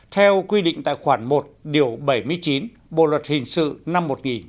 theo quy định tại khoản một điều bảy mươi chín bộ luật hình sự năm một nghìn chín trăm chín mươi chín